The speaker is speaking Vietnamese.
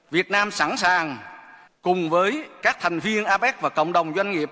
việt nam sẵn sàng cùng với các thành viên apec và cộng đồng doanh nghiệp